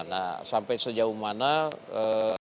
nah sampai sejauh mana kita belum bisa selesai